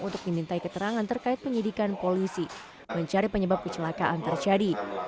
untuk dimintai keterangan terkait penyidikan polisi mencari penyebab kecelakaan terjadi